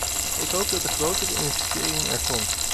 Ik hoop dat de grotere investering er komt.